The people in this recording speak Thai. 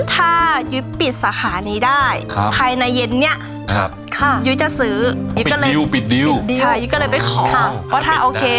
ถ้ายุยปิดสาขาเดียได้ภายในเย็นนี้ยุยจะซื้อ